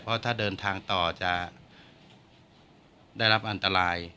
เพราะถ้าเดินทางต่อจะได้รับอันตราย